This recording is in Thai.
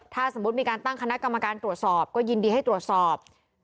ถ้าสมมุติมีการตั้งคณะกรรมการตรวจสอบก็ยินดีให้ตรวจสอบ